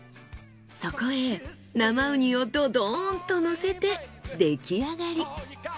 そこへ生うにをドドーンとのせて出来上がり。